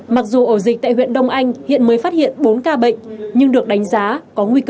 mặc dù ổ dịch tại huyện đông anh hiện mới phát hiện bốn ca bệnh nhưng được đánh giá có nguy cơ